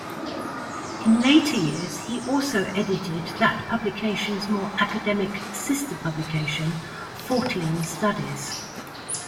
In later years, he also edited that publication's more academic sister-publication "Fortean Studies".